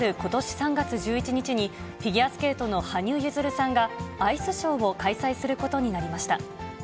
３月１１日に、フィギュアスケートの羽生結弦さんが、アイスショーを開催するこ